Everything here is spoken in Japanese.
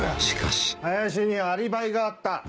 しかし林にアリバイがあった。